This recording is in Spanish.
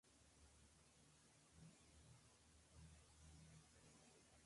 Se basa en la multiplexación en tiempo de la transmisión de los diferentes servicios.